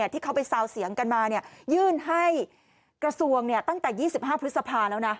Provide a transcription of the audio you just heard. ที่เขาไปซาวเสียงกันมายื่นให้กระทรวงตั้งแต่๒๕พฤษภาแล้วนะ